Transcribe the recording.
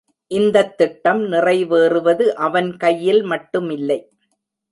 இந்தத் திட்டம் நிறைவேறுவது அவன் கையில் மட்டுமில்லை.